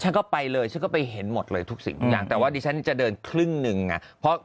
ฉันก็ไปเลยฉันก็ไปเห็นหมดเลยทุกสิ่งแต่ว่าดิฉันนี่จะเดินครึ่งนึงไง